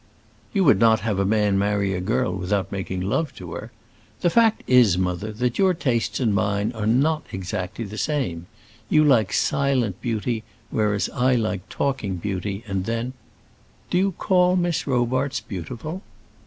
"You would not have a man marry a girl without making love to her. The fact is, mother, that your tastes and mine are not exactly the same; you like silent beauty, whereas I like talking beauty, and then " "Do you call Miss Robarts beautiful?"